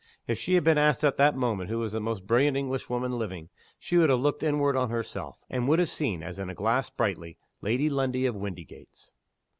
If she had been asked at that moment who was the most brilliant Englishwoman living, she would have looked inward on herself and would have seen, as in a glass brightly, Lady Lundie, of Windygates.